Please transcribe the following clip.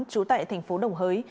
chú tại thành phố đồng hới